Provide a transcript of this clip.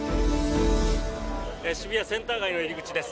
渋谷センター街の入り口です。